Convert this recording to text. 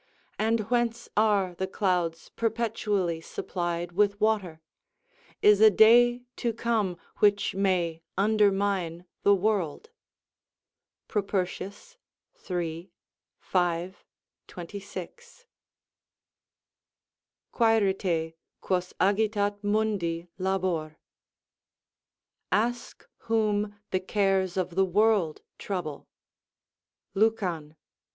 and whence are the clouds perpetually supplied with water? is a day to come which may undermine the world?" Propertius, iii. 5, 26.] "Quaerite, quos agitat mundi labor." ["Ask whom the cares of the world trouble" Lucan, i.